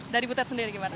dari butet sendiri gimana